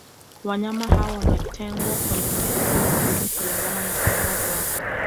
Wanyama hao wametengwa kwenye maeneo maalumu kulingana na aina zao